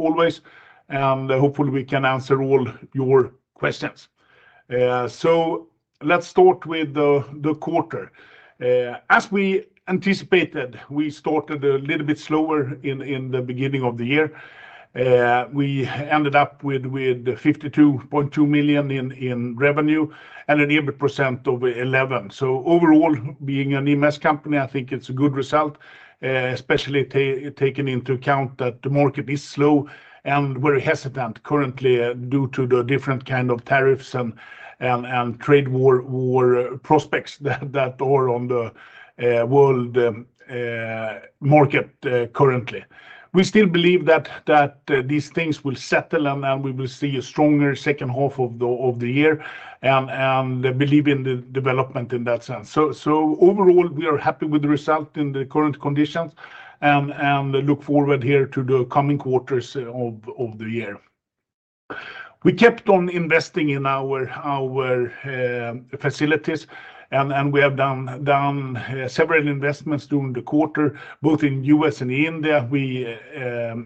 Always, and hopefully we can answer all your questions. Let's start with the quarter. As we anticipated, we started a little bit slower in the beginning of the year. We ended up with 52.2 million in revenue and an EBIT % of 11. Overall, being an EMS company, I think it's a good result, especially taking into account that the market is slow and very hesitant currently due to the different kind of tariffs and trade war prospects that are on the world market currently. We still believe that these things will settle and we will see a stronger second half of the year and believe in the development in that sense. Overall, we are happy with the result in the current conditions and look forward here to the coming quarters of the year. We kept on investing in our facilities and we have done several investments during the quarter, both in the U.S. and India. We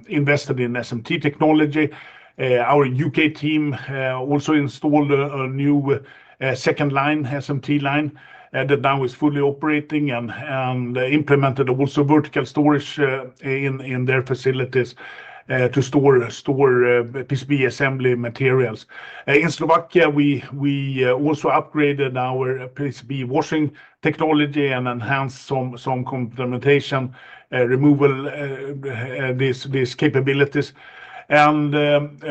invested in SMT technology. Our U.K. team also installed a new second SMT line that now is fully operating and implemented also vertical storage in their facilities to store PCB assembly materials. In Slovakia, we also upgraded our PCB washing technology and enhanced some complementation removal capabilities and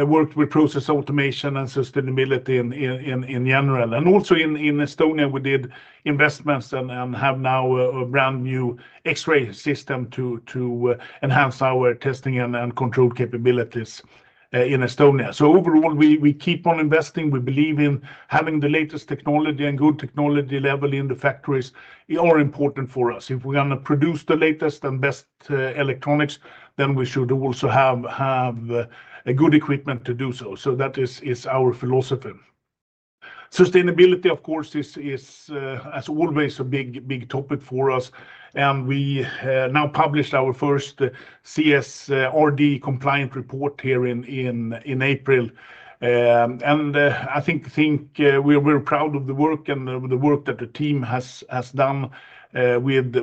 worked with process automation and sustainability in general. Also in Estonia, we did investments and have now a brand new X-ray system to enhance our testing and control capabilities in Estonia. Overall, we keep on investing. We believe in having the latest technology and good technology level in the factories are important for us. If we're going to produce the latest and best electronics, then we should also have a good equipment to do so. That is our philosophy. Sustainability, of course, is as always a big topic for us. We now published our first CSRD-compliant report here in April. I think we're proud of the work and the work that the team has done with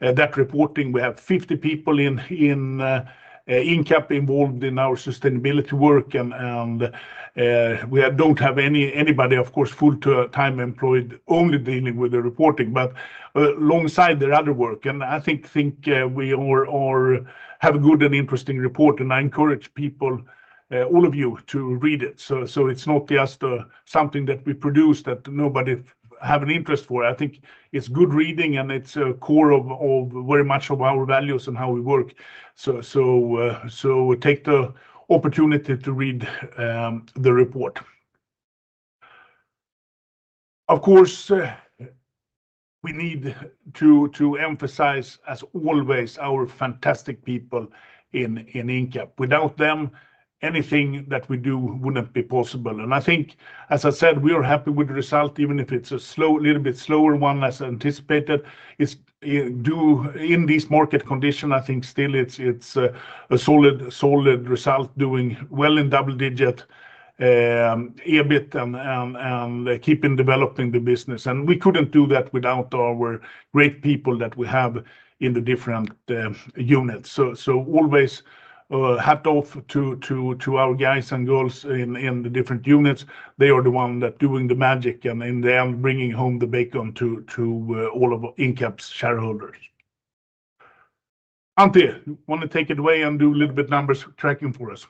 that reporting. We have 50 people in Incap involved in our sustainability work and we do not have anybody, of course, full time employed only dealing with the reporting, but alongside their other work. I think we have a good and interesting report and I encourage people, all of you, to read it. It's not just something that we produce that nobody has an interest for. I think it's good reading and it's a core of very much of our values and how we work. Take the opportunity to read the report. Of course, we need to emphasize as always our fantastic people in Incap. Without them, anything that we do wouldn't be possible. I think, as I said, we are happy with the result, even if it's a little bit slower one as anticipated. It's due in these market conditions. I think still it's a solid result doing well in double digit EBIT and keeping developing the business. We couldn't do that without our great people that we have in the different units. Always hat off to our guys and girls in the different units. They are the ones that are doing the magic and bringing home the bacon to all of Incap's shareholders. Antti, want to take it away and do a little bit numbers tracking for us?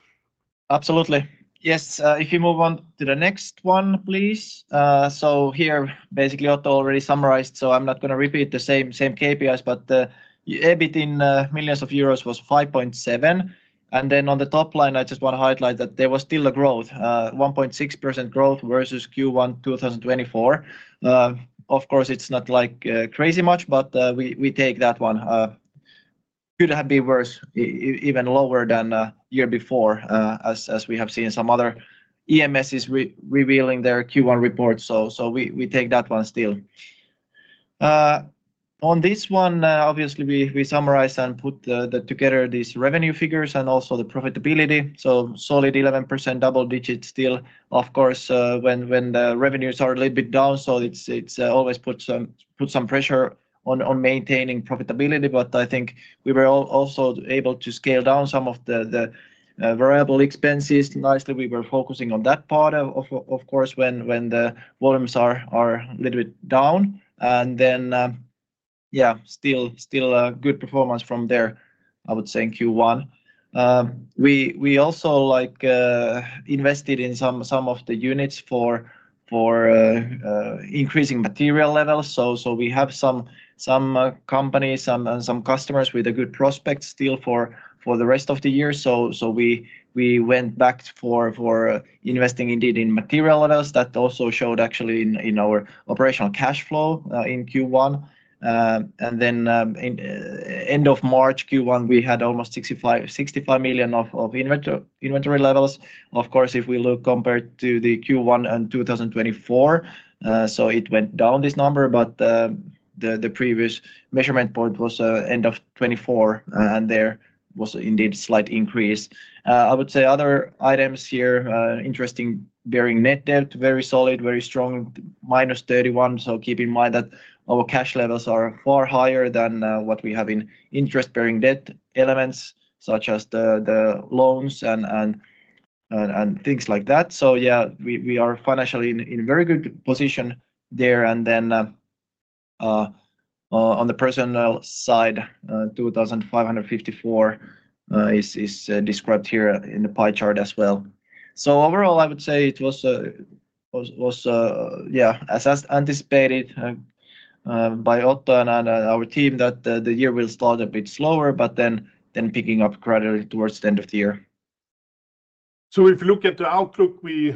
Absolutely. Yes. If you move on to the next one, please. Here basically Otto already summarized, so I'm not going to repeat the same KPIs, but the EBIT in millions of euros was 5.7. On the top line, I just want to highlight that there was still a growth, 1.6% growth versus Q1 2024. Of course, it's not like crazy much, but we take that one. Could have been worse, even lower than year before, as we have seen some other EMSs revealing their Q1 report. We take that one still. On this one, obviously we summarize and put together these revenue figures and also the profitability. Solid 11% double digit still, of course, when the revenues are a little bit down. It's always put some pressure on maintaining profitability. I think we were also able to scale down some of the variable expenses nicely. We were focusing on that part of course when the volumes are a little bit down. Yeah, still a good performance from there, I would say in Q1. We also like invested in some of the units for increasing material levels. We have some companies and some customers with a good prospect still for the rest of the year. We went back for investing indeed in material levels that also showed actually in our operational cash flow in Q1. In end of March Q1, we had almost 65 million of inventory levels. Of course, if we look compared to the Q1 and 2024, it went down this number, but the previous measurement point was end of 2024 and there was indeed slight increase. I would say other items here, interesting bearing net debt, very solid, very strong, minus 31. Keep in mind that our cash levels are far higher than what we have in interest bearing debt elements such as the loans and things like that. Yeah, we are financially in very good position there. On the personnel side, 2,554 is described here in the pie chart as well. Overall, I would say it was as anticipated by Otto and our team that the year will start a bit slower, then picking up gradually towards the end of the year. If you look at the outlook, we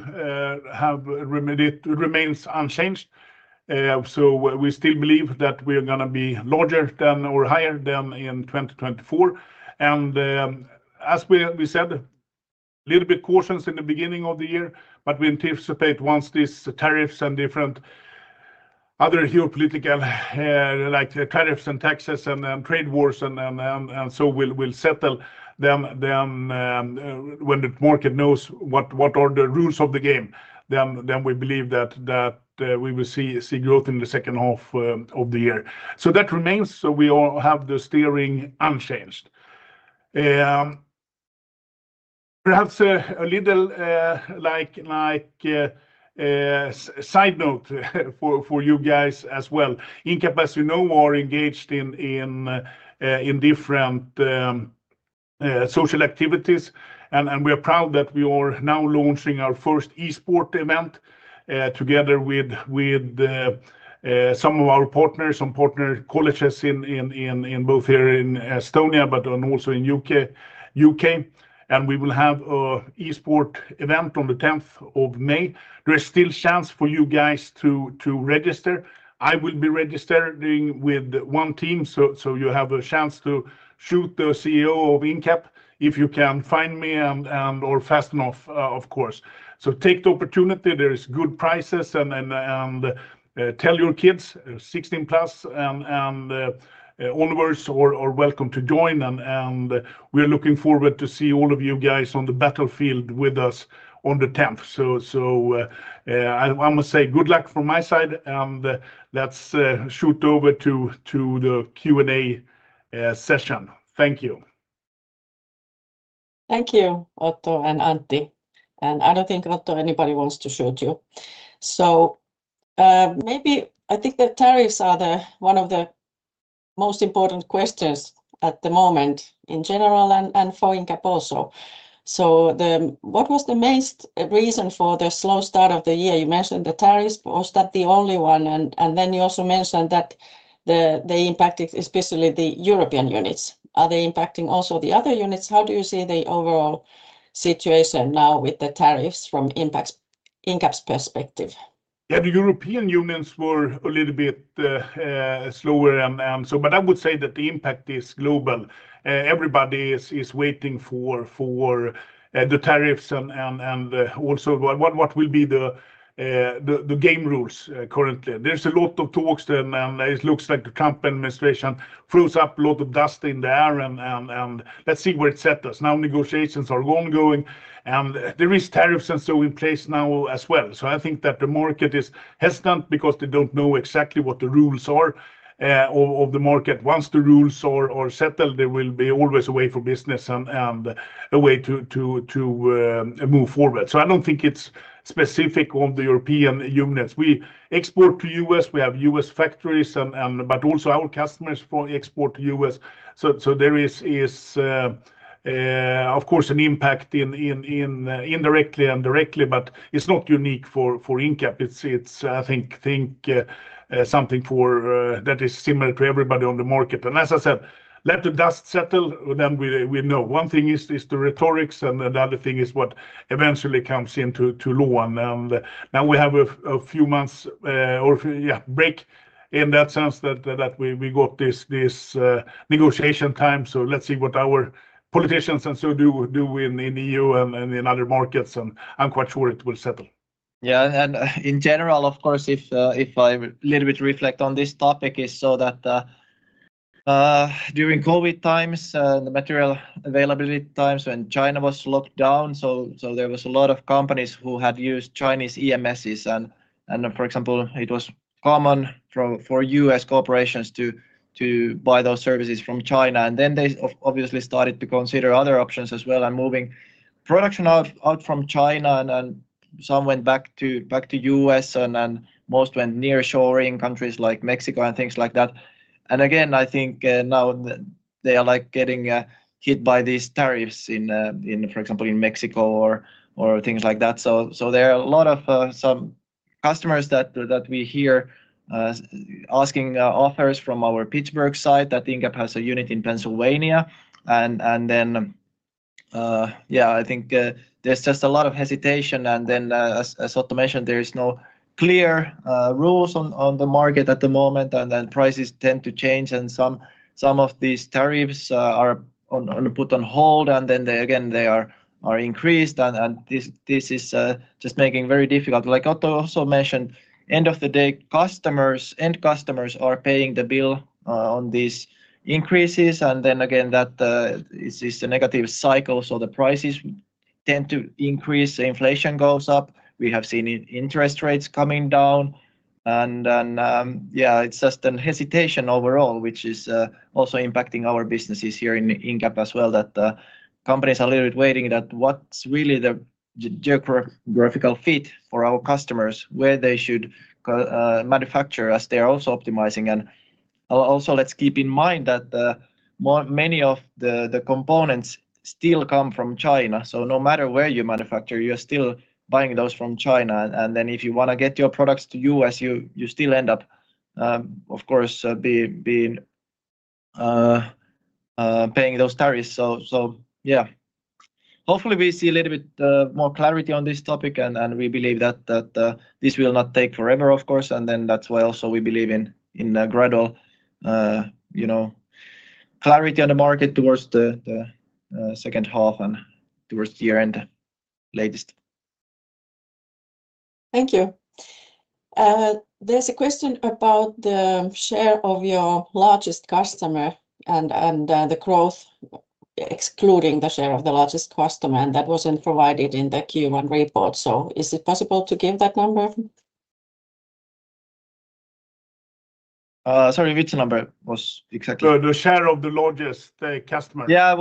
have remained unchanged. We still believe that we are going to be larger than or higher than in 2024. As we said, a little bit cautious in the beginning of the year, but we anticipate once these tariffs and different other geopolitical like tariffs and taxes and trade wars and so we'll settle them, then when the market knows what are the rules of the game, then we believe that we will see growth in the second half of the year. That remains. We all have the steering unchanged. Perhaps a little like side note for you guys as well. Incap, as you know, are engaged in different social activities and we are proud that we are now launching our first e-sport event together with some of our partners and partner colleges in both here in Estonia, but also in the U.K. and we will have an e-sport event on the 10th of May. There is still chance for you guys to register. I will be registering with one team. You have a chance to shoot the CEO of Incap if you can find me or fast enough, of course. Take the opportunity. There is good prizes and tell your kids 16 plus and onwards are welcome to join. We are looking forward to see all of you guys on the battlefield with us on the 10th. I must say good luck from my side and let's shoot over to the Q&A session. Thank you. Thank you, Otto and Antti. I don't think, Otto, anybody wants to shoot you. I think the tariffs are one of the most important questions at the moment in general and for Incap also. What was the main reason for the slow start of the year? You mentioned the tariffs. Was that the only one? You also mentioned that the impact, especially the European units, are they impacting also the other units? How do you see the overall situation now with the tariffs from Incap's perspective? Yeah, the European units were a little bit slower and so, but I would say that the impact is global. Everybody is waiting for the tariffs and also what will be the game rules currently. There's a lot of talks and it looks like the Trump administration throws up a lot of dust in the air and let's see where it set us. Now negotiations are ongoing and there is tariffs in place now as well. I think that the market is hesitant because they don't know exactly what the rules are of the market. Once the rules are settled, there will be always a way for business and a way to move forward. I don't think it's specific on the European units. We export to U.S., we have U.S. factories, and also our customers for export to U.S.. There is, of course, an impact indirectly and directly, but it's not unique for Incap. It's something that is similar to everybody on the market. As I said, let the dust settle, then we know. One thing is the rhetorics and the other thing is what eventually comes into law. Now we have a few months or, yeah, break in that sense that we got this negotiation time. Let's see what our politicians and so do in EU and in other markets, and I'm quite sure it will settle. Yeah. In general, of course, if I a little bit reflect on this topic, it's so that during COVID times and the material availability times when China was locked down, there was a lot of companies who had used Chinese EMSs and, for example, it was common for U.S. corporations to buy those services from China. They obviously started to consider other options as well and moving production out from China, and some went back to U.S. and most went nearshoring countries like Mexico and things like that. I think now they are getting hit by these tariffs in, for example, Mexico or things like that. There are a lot of customers that we hear asking offers from our Pittsburgh site that Incap has a unit in Pennsylvania. I think there's just a lot of hesitation. As Otto mentioned, there are no clear rules on the market at the moment and prices tend to change and some of these tariffs are put on hold and then again they are increased and this is just making it very difficult. Like Otto also mentioned, end of the day, customers and customers are paying the bill on these increases. That is a negative cycle. The prices tend to increase, inflation goes up. We have seen interest rates coming down. Yeah, it's just a hesitation overall, which is also impacting our businesses here in Incap as well, that companies are a little bit waiting on what's really the geographical fit for our customers, where they should manufacture as they're also optimizing. Also, let's keep in mind that many of the components still come from China. No matter where you manufacture, you're still buying those from China. If you want to get your products to the U.S., you still end up, of course, paying those tariffs. Hopefully we see a little bit more clarity on this topic, and we believe that this will not take forever, of course. That's why we also believe in gradual, you know, clarity on the market towards the second half and towards year end latest. Thank you. There is a question about the share of your largest customer and the growth excluding the share of the largest customer, and that was not provided in the Q1 report. Is it possible to give that number? Sorry, which number was exactly? The share of the largest customer. Yeah,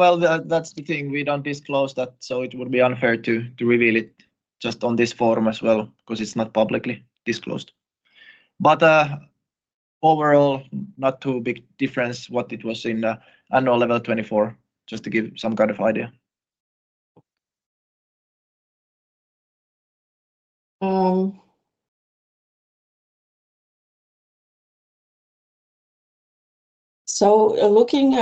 that's the thing. We don't disclose that. It would be unfair to reveal it just on this forum as well because it's not publicly disclosed. Overall, not too big difference what it was in the annual level 2024, just to give some kind of idea. Looking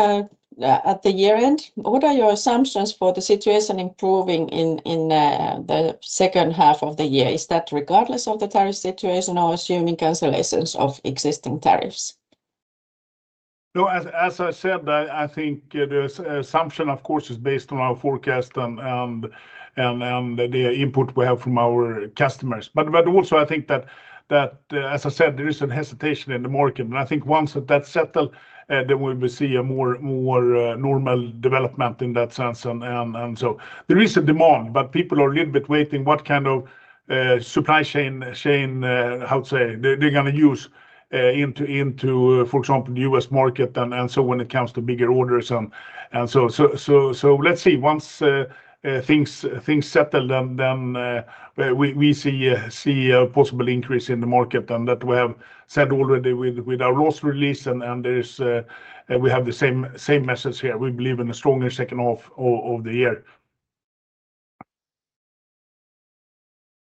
at the year end, what are your assumptions for the situation improving in the second half of the year? Is that regardless of the tariff situation or assuming cancellations of existing tariffs? No, as I said, I think the assumption, of course, is based on our forecast and the input we have from our customers. I think that as I said, there is a hesitation in the market. I think once that settles, then we will see a more normal development in that sense. There is a demand, but people are a little bit waiting what kind of supply chain, how to say, they're going to use into, for example, the U.S. market. When it comes to bigger orders, let's see once things settle, then we see a possible increase in the market and that we have said already with our last release. We have the same message here. We believe in a stronger second half of the year.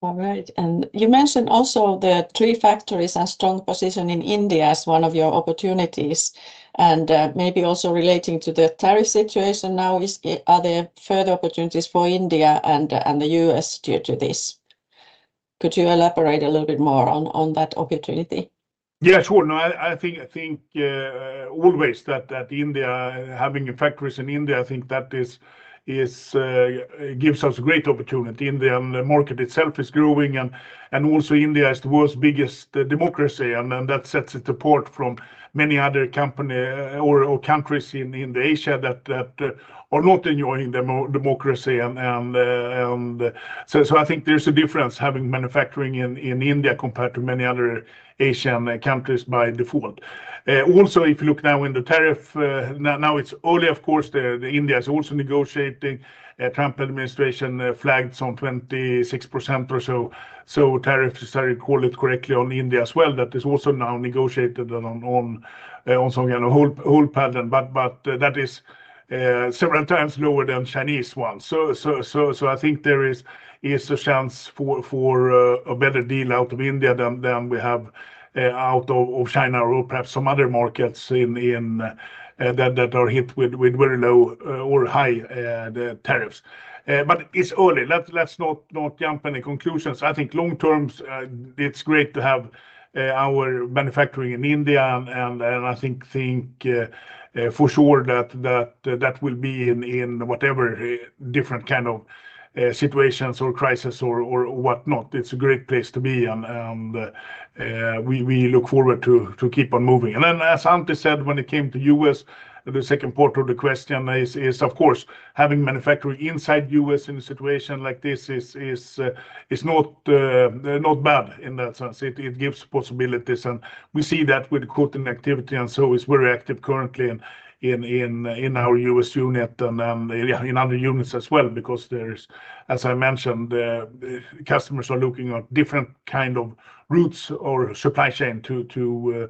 All right. You mentioned also the three factories and strong position in India as one of your opportunities and maybe also relating to the tariff situation now, are there further opportunities for India and the U.S. due to this? Could you elaborate a little bit more on that opportunity? Yeah, sure. No, I think always that India having factories in India, I think that gives us a great opportunity. India and the market itself is growing and also India is the world's biggest democracy and that sets it apart from many other countries in Asia that are not enjoying the democracy. I think there's a difference having manufacturing in India compared to many other Asian countries by default. Also if you look now in the tariff, now it's early, of course, India is also negotiating. Trump administration flagged some 26% or so. So tariffs are, if I recall it correctly, on India as well that is also now negotiated on some kind of whole pattern. That is several times lower than Chinese one. I think there is a chance for a better deal out of India than we have out of China or perhaps some other markets that are hit with very low or high tariffs. It is early. Let's not jump to any conclusions. I think long term it is great to have our manufacturing in India and I think for sure that will be in whatever different kind of situations or crisis or whatnot. It is a great place to be and we look forward to keep on moving. As Antti said, when it came to the U.S., the second part of the question is of course having manufacturing inside the U.S. in a situation like this is not bad in that sense. It gives possibilities and we see that with the quoting activity and so it's very active currently in our U.S. unit and yeah in other units as well because there is, as I mentioned, the customers are looking at different kind of routes or supply chain to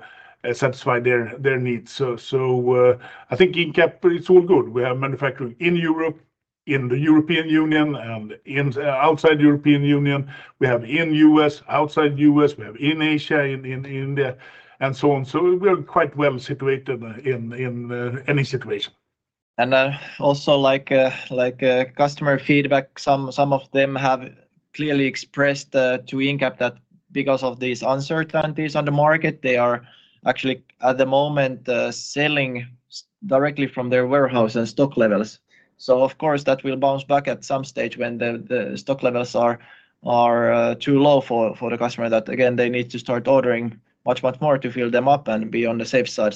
satisfy their needs. I think Incap, it's all good. We have manufacturing in Europe, in the European Union and outside European Union. We have in U.S., outside U.S., we have in Asia, in India and so on. We're quite well situated in any situation. Also, like customer feedback, some of them have clearly expressed to Incap that because of these uncertainties on the market, they are actually at the moment selling directly from their warehouse and stock levels. Of course, that will bounce back at some stage when the stock levels are too low for the customer that again they need to start ordering much more to fill them up and be on the safe side.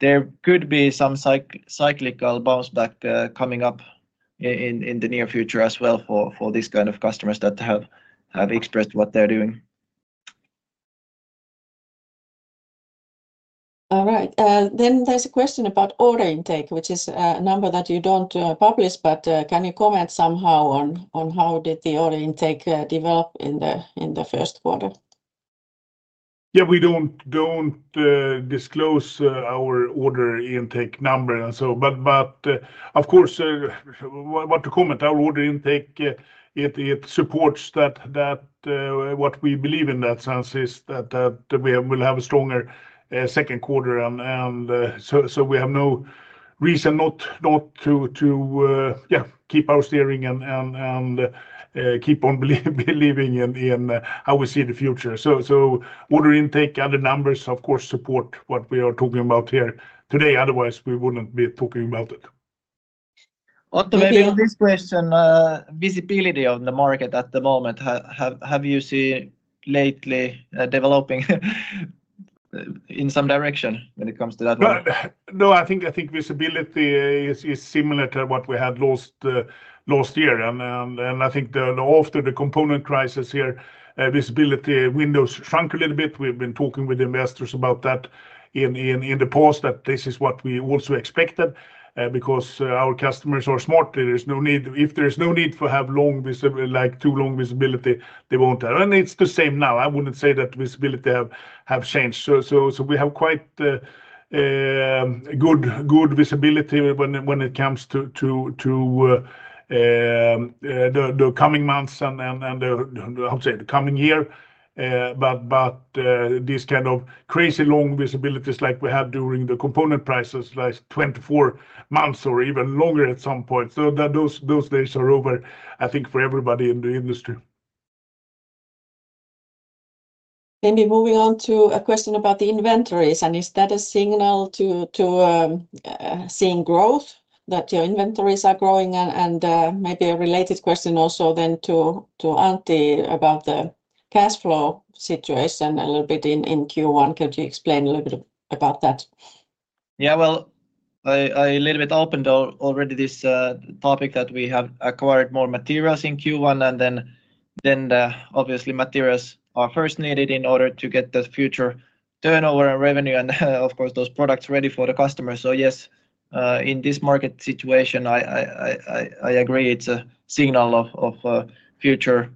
There could be some cyclical bounce back coming up in the near future as well for these kind of customers that have expressed what they're doing. All right. There is a question about order intake, which is a number that you do not publish, but can you comment somehow on how did the order intake develop in the first quarter? Yeah, we do not disclose our order intake number, but of course what to comment, our order intake, it supports that what we believe in that sense is that we will have a stronger second quarter and we have no reason not to keep our steering and keep on believing in how we see the future. Order intake and the numbers of course support what we are talking about here today. Otherwise we would not be talking about it. Otto Pukk, this question, visibility of the market at the moment, have you seen lately developing in some direction when it comes to that one? No, I think visibility is similar to what we had last year. I think after the component crisis here, visibility windows shrunk a little bit. We've been talking with investors about that in the past that this is what we also expected because our customers are smart. There is no need if there is no need to have long visibility, like too long visibility, they won't have. It's the same now. I wouldn't say that visibility has changed. We have quite good visibility when it comes to the coming months and the, I would say, the coming year. This kind of crazy long visibilities like we had during the component prices, like 24 months or even longer at some point. Those days are over, I think for everybody in the industry. Maybe moving on to a question about the inventories. Is that a signal to seeing growth that your inventories are growing? Maybe a related question also to Antti about the cash flow situation a little bit in Q1. Could you explain a little bit about that? Yeah, I a little bit opened already this topic that we have acquired more materials in Q1 and then obviously materials are first needed in order to get the future turnover and revenue and of course those products ready for the customers. Yes, in this market situation, I agree it's a signal of future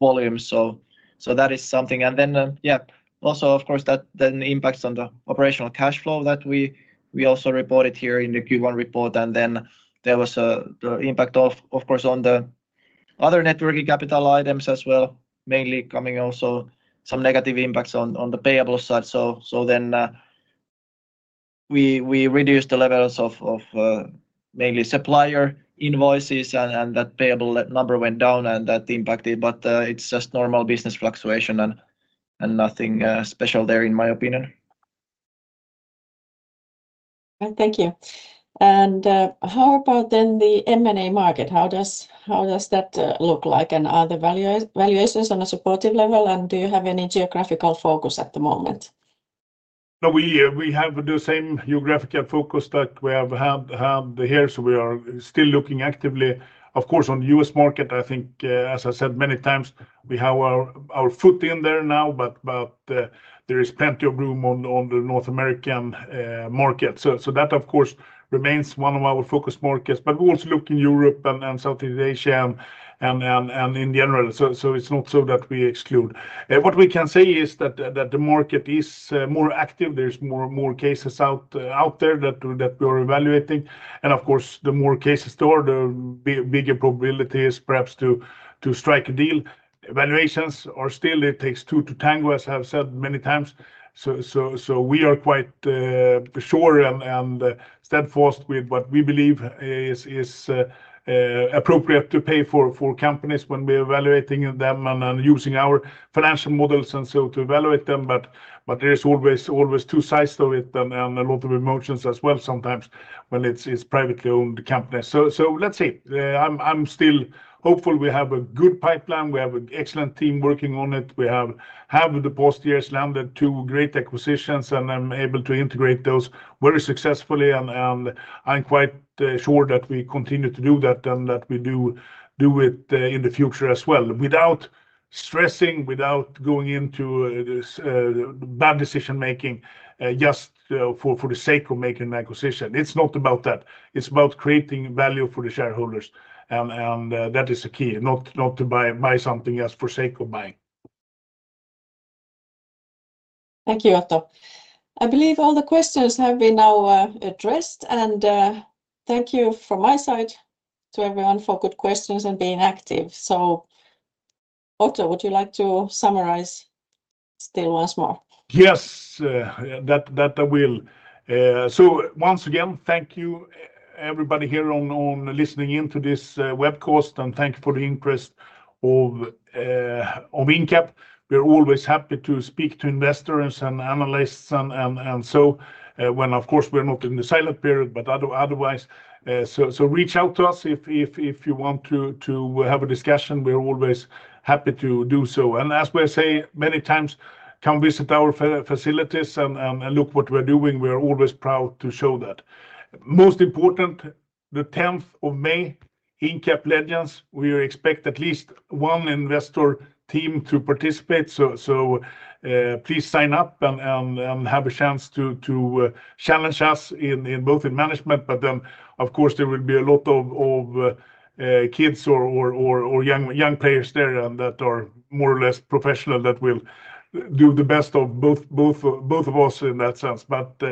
volumes. That is something. Also, of course, that then impacts on the operational cash flow that we also reported here in the Q1 report. There was the impact of course on the other networking capital items as well, mainly coming also some negative impacts on the payable side. We reduced the levels of mainly supplier invoices and that payable number went down and that impacted. It's just normal business fluctuation and nothing special there in my opinion. Thank you. How about the M&A market? How does that look like? Are the valuations on a supportive level? Do you have any geographical focus at the moment? No, we have the same geographical focus that we have had here. We are still looking actively, of course, on the U.S. market. I think, as I said many times, we have our foot in there now, but there is plenty of room on the North American market. That of course remains one of our focus markets, but we also look in Europe and South East Asia and in general. It is not so that we exclude. What we can say is that the market is more active. There are more cases out there that we are evaluating. Of course, the more cases there are, the bigger probability is perhaps to strike a deal. Valuations are still, it takes two to tango, as I have said many times. We are quite sure and steadfast with what we believe is appropriate to pay for companies when we are evaluating them and using our financial models to evaluate them. There is always two sides of it and a lot of emotions as well sometimes when it's privately owned companies. Let's see. I'm still hopeful we have a good pipeline. We have an excellent team working on it. We have in the past years landed two great acquisitions and I'm able to integrate those very successfully. I'm quite sure that we continue to do that and that we do it in the future as well without stressing, without going into this bad decision making just for the sake of making an acquisition. It's not about that. It's about creating value for the shareholders. That is a key, not to buy something just for the sake of buying. Thank you, Otto. I believe all the questions have been now addressed. Thank you from my side to everyone for good questions and being active. Otto, would you like to summarize still once more? Yes, that I will. Once again, thank you everybody here for listening in to this webcast and thank you for the interest in Incap. We're always happy to speak to investors and analysts when, of course, we're not in the silent period. Otherwise, reach out to us if you want to have a discussion. We're always happy to do so. As we say many times, come visit our facilities and look at what we're doing. We're always proud to show that. Most important, the 10th of May, Incap Legends. We expect at least one investor team to participate. Please sign up and have a chance to challenge us in both in management, but then of course there will be a lot of kids or young players there that are more or less professional that will do the best of both of us in that sense.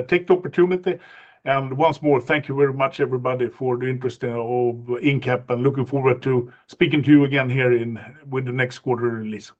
Take the opportunity. Once more, thank you very much everybody for the interest in Incap and looking forward to speaking to you again here with the next quarter release.